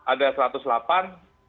ada juga asn yang menghadiri